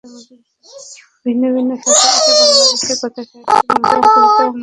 ভিন্ন ভিন্ন শাখায় এটি বাংলাদেশের কথাসাহিত্য, বাংলাদেশের কবিতা, বাংলাদেশের নাটক ইত্যাদি।